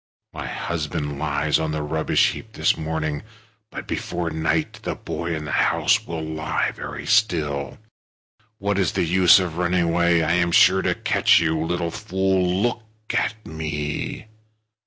My husband lies on the rubbish heap this morning, but before night the boy in the house will lie very still. What is the use of running away? I am sure to catch you. Little fool, look at me!"